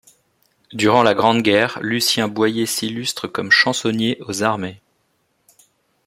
Durant la Grande Guerre, Lucien Boyer s'illustre comme chansonnier aux armées.